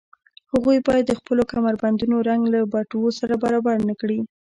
هغوی باید د خپلو کمربندونو رنګ له بټوو سره برابر نه کړي